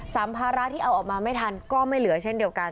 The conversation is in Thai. สัมภาระที่เอาออกมาไม่ทันก็ไม่เหลือเช่นเดียวกัน